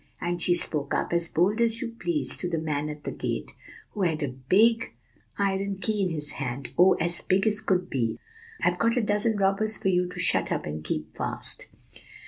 And she spoke up, as bold as you please, to the man at the gate, who had a big iron key in his hand, oh! as big as could be, 'I've got a dozen robbers for you to shut up and keep fast.